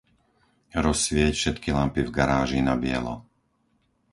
Rozsvieť všetky lampy v garáži na bielo.